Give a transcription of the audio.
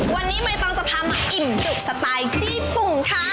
วันนี้ใบตองจะพามาอิ่มจุกสไตล์จี้ปุ่งค่ะ